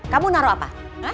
kamu naruh apa